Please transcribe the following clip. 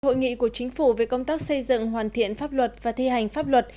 hội nghị của chính phủ về công tác xây dựng hoàn thiện pháp luật và thi hành pháp luật